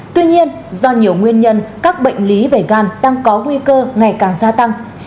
tuy nhiên do nhiều nguyên nhân các bệnh lý về gan đang có nguy cơ ngày càng gia tăng